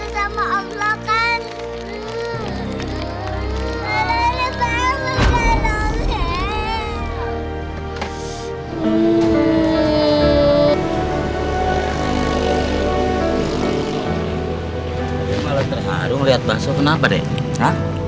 terhadap lihat bahasa kenapa deh